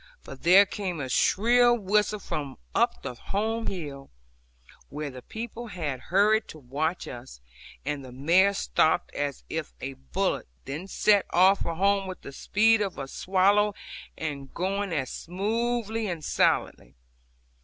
But there came a shrill whistle from up the home hill, where the people had hurried to watch us; and the mare stopped as if with a bullet, then set off for home with the speed of a swallow, and going as smoothly and silently.